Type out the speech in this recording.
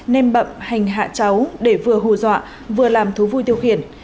nên bậm hành hạ cháu để vừa hù dọa vừa làm thú vui tiêu khiển